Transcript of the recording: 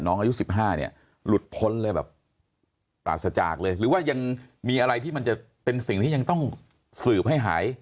อายุ๑๕เนี่ยหลุดพ้นเลยแบบปราศจากเลยหรือว่ายังมีอะไรที่มันจะเป็นสิ่งที่ยังต้องสืบให้หาย